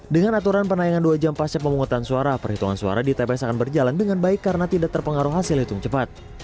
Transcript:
dengan aturan penayangan dua jam pasca pemungutan suara perhitungan suara di tps akan berjalan dengan baik karena tidak terpengaruh hasil hitung cepat